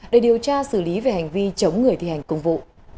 để điều tra xử lý về hành vi chống người thi hành công vụ